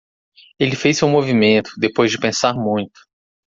Ele fez seu movimento, depois de pensar muito